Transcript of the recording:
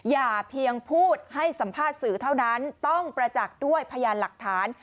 อย่าเพียงพูดให้สัมภาษณ์สื่อเท่านั้นต้องประจักษ์ด้วยพยานหลักฐาน